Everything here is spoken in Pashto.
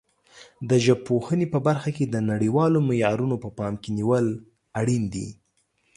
د ژبپوهنې په برخه کې د نړیوالو معیارونو په پام کې نیول اړین دي.